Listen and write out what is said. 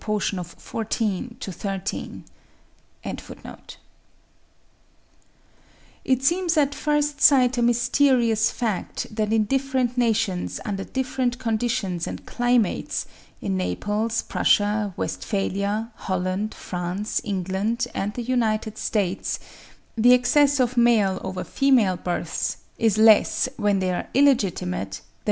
1809, pp. 60, 179), the women are to the men in the proportion of 14 to 13.) It seems at first sight a mysterious fact that in different nations, under different conditions and climates, in Naples, Prussia, Westphalia, Holland, France, England and the United States, the excess of male over female births is less when they are illegitimate than when legitimate.